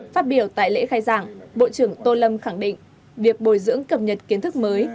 phát biểu tại lễ khai giảng bộ trưởng tô lâm khẳng định việc bồi dưỡng cập nhật kiến thức mới